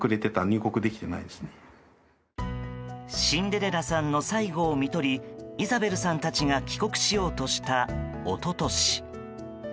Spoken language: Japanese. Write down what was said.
シンデレラさんの最期を看取りイザベルさんたちが帰国しようとした一昨年。